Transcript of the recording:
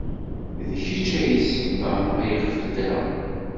D kečč ay d ssebba ayɣef ddreɣ.